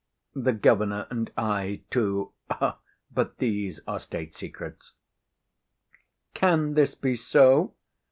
The governor and I, too—But these are state secrets." "Can this be so?"